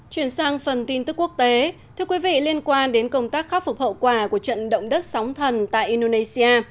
chuyển sang phần tin tức quốc tế thưa quý vị liên quan đến công tác khắc phục hậu quả của trận động đất sóng thần tại indonesia